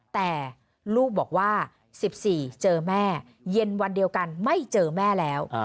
แต่ลูกบอกว่า๑๔เจอแม่เย็นวันเดียวกันไม่เจอแม่แล้ว